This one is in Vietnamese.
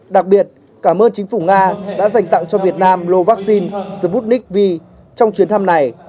đặc biệt cảm ơn chính phủ nga đã dành tặng cho việt nam lô vaccine sputnik v trong chuyến thăm này